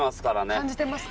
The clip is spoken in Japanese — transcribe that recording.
感じてます